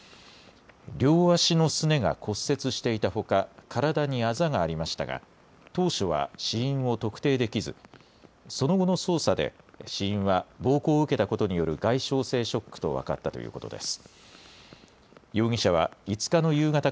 両足のすねが骨折していたほか、体にあざがありましたが、当初は死因を特定できず、その後の捜査で、死因は暴行を受けたことによる外傷性ショックと分かったということです。